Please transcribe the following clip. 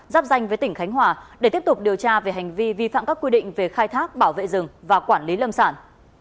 giáp danh với tỉnh khánh hòa để tiếp tục điều tra về hành vi vi phạm các quy định về khai thác bảo vệ rừng và quản lý lâm sản